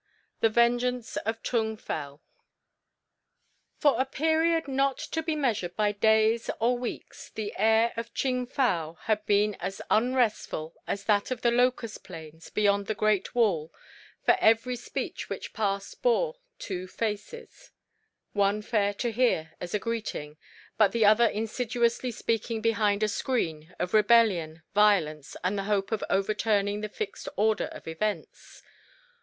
THE VENGEANCE OF TUNG FEL For a period not to be measured by days or weeks the air of Ching fow had been as unrestful as that of the locust plains beyond the Great Wall, for every speech which passed bore two faces, one fair to hear, as a greeting, but the other insidiously speaking behind a screen, of rebellion, violence, and the hope of overturning the fixed order of events.